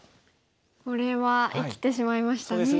これは生きてしまいましたね。